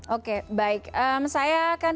oke baik saya akan